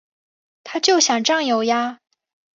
他就想占有呀